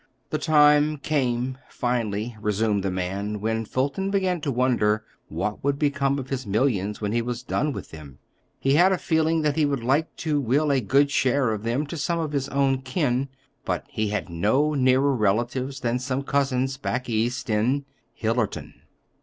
"The time came, finally," resumed the man, "when Fulton began to wonder what would become of his millions when he was done with them. He had a feeling that he would like to will a good share of them to some of his own kin; but he had no nearer relatives than some cousins back East, in—Hillerton."